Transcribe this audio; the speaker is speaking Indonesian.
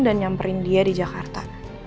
dan nyamperin dia di jakarta